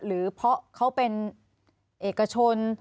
หรือเพราะเขาเป็นเอกชน